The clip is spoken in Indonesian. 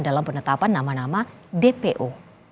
dalam penetapan nama nama dpo